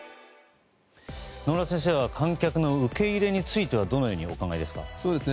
野村先生は観客の受け入れについてはどのようにお考えですか。